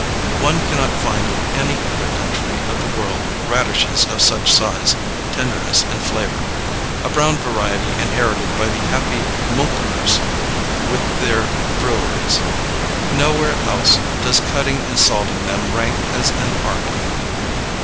One cannot find in any other country of the world radishes of such size, tenderness, and flavor a brown variety inherited by the happy Müncheners with their breweries. Nowhere else does cutting and salting them rank as an art.